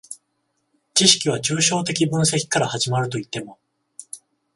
知識は抽象的分析から始まるといっても、